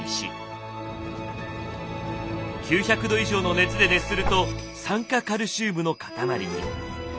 ９００度以上の熱で熱すると酸化カルシウムの塊に。